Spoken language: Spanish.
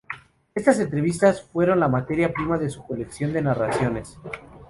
Estas entrevistas fueron la materia prima de su colección de narraciones.